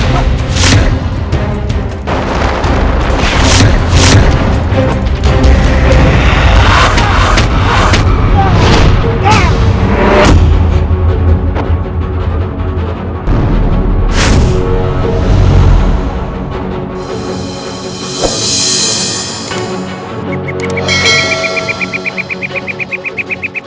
kau akan menang